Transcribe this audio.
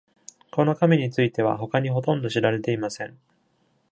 この神については、他にほとんど知られていません。